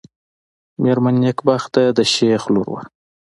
مېرمن نېکبخته د شېخ لور وه.